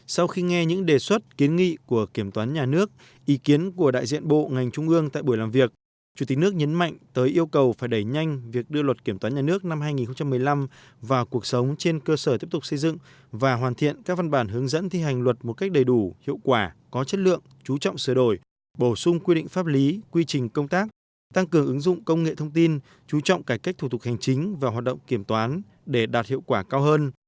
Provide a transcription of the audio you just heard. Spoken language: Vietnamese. sau khi nghe những đề xuất kiến nghị của kiểm toán nhà nước ý kiến của đại diện bộ ngành trung ương tại buổi làm việc chủ tịch nước nhấn mạnh tới yêu cầu phải đẩy nhanh việc đưa luật kiểm toán nhà nước năm hai nghìn một mươi năm vào cuộc sống trên cơ sở tiếp tục xây dựng và hoàn thiện các văn bản hướng dẫn thi hành luật một cách đầy đủ hiệu quả có chất lượng chú trọng sửa đổi bổ sung quy định pháp lý quy trình công tác tăng cường ứng dụng công nghệ thông tin chú trọng cải cách thủ tục hành chính và hoạt động kiểm toán để đạt hiệu quả cao hơn